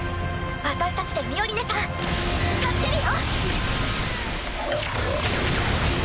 私たちでミオリネさん助けるよ。